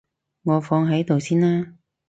我放喺度先啦